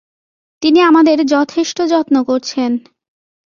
তিনি আমাদের যথেষ্ট যত্ন করছেন।